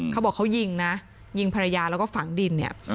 เขาบอกเขายิงนะยิงภรรยาแล้วก็ฝังดินเนี่ย